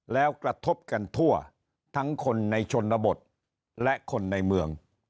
แล้วกระทบกันทั่วทั้งคนในชนบทและคนในเมือง